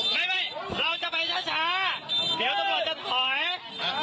ไม่เราจะไปจะเข้าไปได้ไหม